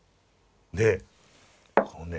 でこのね